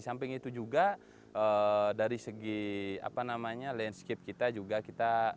di samping itu juga dari segi apa namanya landscape kita juga kita